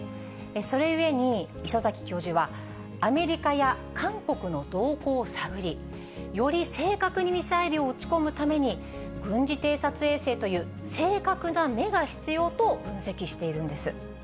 それゆえに、礒崎教授は、アメリカや韓国の動向を探り、より正確にミサイルを撃ち込むために、軍事偵察衛星という正確な目が必要と分析しているんです。